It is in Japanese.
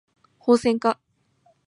ホウセンカ